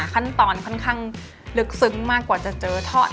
ค่อนข้างลึกซึ้งมากกว่าจะเจอทอด